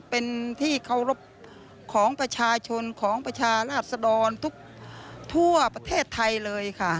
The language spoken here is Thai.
เป็นที่เคารพของประชาชนของประชาราชดรทุกทั่วประเทศไทยเลยค่ะ